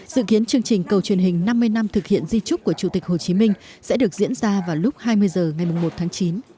dự kiến chương trình cầu truyền hình năm mươi năm thực hiện di trúc của chủ tịch hồ chí minh sẽ được diễn ra vào lúc hai mươi h ngày một tháng chín